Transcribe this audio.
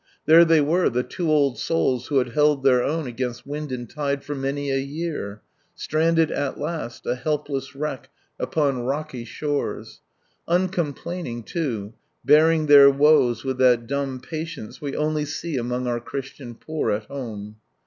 There they were, the two old souls who had held their own against wind and tide for many a year— stranded at last, a helpless ■ wreck, upon rocky shores. Uncomplaining, too, bearing their woes with that dumb ' patience we only set among our Christian poor at home.